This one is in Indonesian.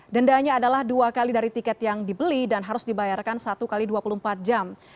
dendanya adalah dua kali dari tiket yang dibeli dan harus dibayarkan satu x dua puluh empat jam